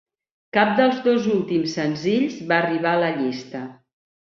Cap dels dos últims senzills va arribar a la llista.